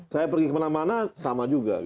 saya pergi kemana mana sama juga